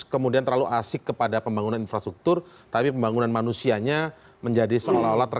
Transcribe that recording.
kalau menurut anda